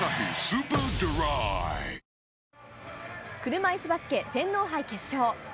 車いすバスケ、天皇杯決勝。